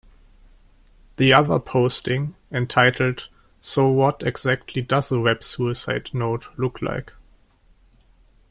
The other posting, entitled So what exactly does a web suicide note look like?